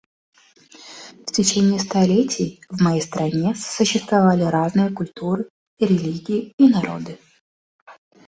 В течение столетий в моей стране сосуществовали разные культуры, религии и народы.